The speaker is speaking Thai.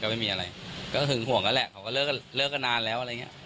ไม่มีอะไรก็หึงห่วงกันแหละเขาก็เลิกกันนานแล้วอะไรอย่างเงี้ย